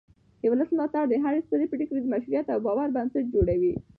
د ولس ملاتړ د هرې سترې پرېکړې د مشروعیت او باور بنسټ جوړوي